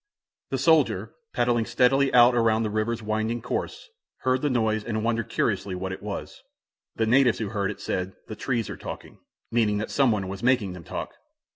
The soldier, paddling steadily out around the river's winding course, heard the noise and wondered curiously what it was. The natives who heard it said, "The trees are talking," meaning that some one was making them talk.